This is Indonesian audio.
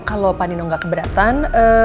kalau panino gak keberatan